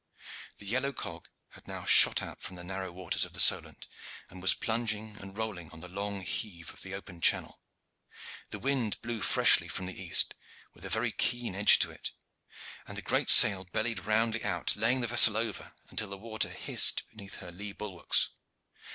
The yellow cog had now shot out from the narrow waters of the Solent, and was plunging and rolling on the long heave of the open channel. The wind blew freshly from the east, with a very keen edge to it; and the great sail bellied roundly out, laying the vessel over until the water hissed beneath her lee bulwarks.